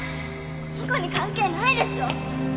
この子に関係ないでしょ！